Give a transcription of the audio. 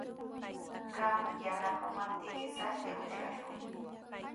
Qam yanapaamaptiykiqa raslla ushashun.